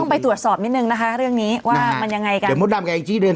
ไปตามกรมสักกรมหนึ่งเนี่ยแค่พี่พาวดีเนี่ย